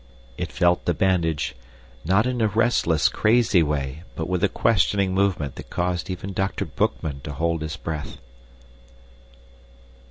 It felt the bandage, not in a restless, crazy way but with a questioning movement that caused even Dr. Boekman to hold his breath.